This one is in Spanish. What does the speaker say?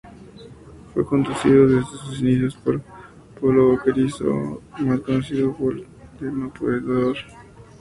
Fue conducido desde sus inicios por Polo Baquerizo, más conocido como "El eterno perdedor".